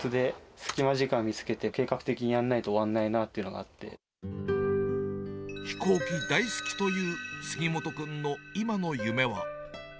隙間時間見つけて計画的にやんないと終わんないなというのがあっ飛行機大好きという杉本君の今の夢は。